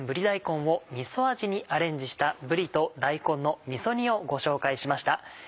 大根をみそ味にアレンジした「ぶりと大根のみそ煮」をご紹介しました。